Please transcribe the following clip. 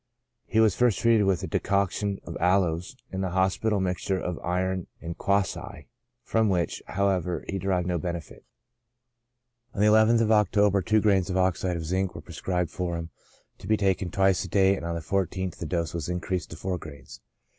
He was first treated with a decoction of aloes, and the hospital mixture of iron and quassia, from which, however, he de rived no benefit. TREATMENT. I I3 On the nth of October, two grains of oxide of zinc were prescribed for him, to be taken twice a day, and on the 14th the dose was increased to four grains.